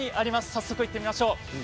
早速、行ってみましょう。